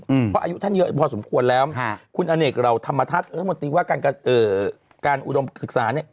เพราะอายุท่านเยอะพอสมควรแล้วคุณอเนกเราธรรมทัศน์รัฐมนตรีว่าการอุดมศึกษาเนี่ย